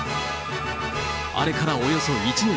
あれからおよそ１年。